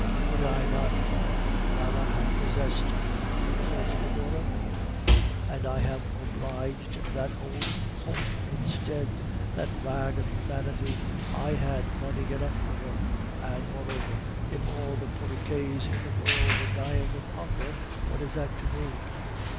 Would I not far rather have possessed the beautiful Foedora? And I have obliged that old hulk instead that rag of humanity! I had money enough for him. And, moreover, if all the Porriquets in the world were dying of hunger, what is that to me?"